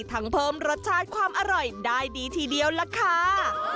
เพิ่มรสชาติความอร่อยได้ดีทีเดียวล่ะค่ะ